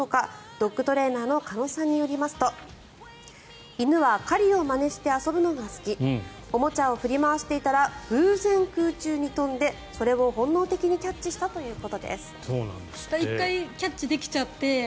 ドッグトレーナーの鹿野さんによりますと犬は狩りをまねして遊ぶのが好きおもちゃを振り回していたら偶然、空中に飛んでそれを本能的にキャッチしたということです。